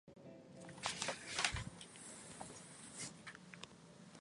库里蒂巴努斯是巴西圣卡塔琳娜州的一个市镇。